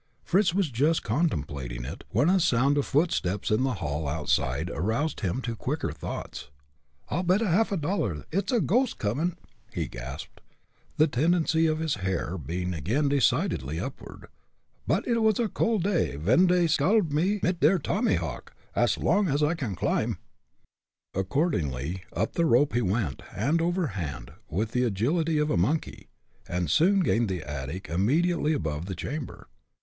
Fritz was just contemplating it, when a sound of footsteps in the hall outside aroused him to quicker thoughts. "I'll bet a half dollar it's a ghost comin'," he gasped, the tendency of his hair being again decidedly upward. "But, it was a cold day ven dey scalb me mit der tommyhawk, ash long ash I can climb." Accordingly, up the rope he went, hand over hand, with the agility of a monkey, and soon gained the attic immediately above the chamber.